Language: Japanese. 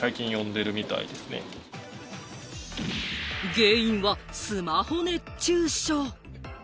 原因は、スマホ熱中症。